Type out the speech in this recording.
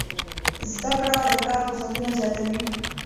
زده کړه د کار فرصتونه زیاتوي.